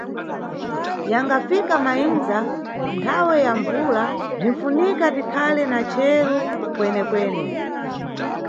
Yangafika mayindza, nthawe ya mbvula, bzinʼfunika tikhale na chero kwenekwene.